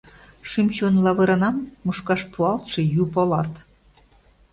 Шӱм-чон лавыранам Мушкаш пуалтше ю полат.